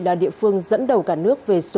là địa phương dẫn đầu cả nước về số